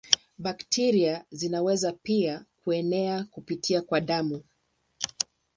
Bakteria zinaweza pia kuenea kupitia kwa damu.